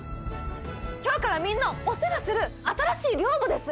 今日からみんなをお世話する新しい寮母です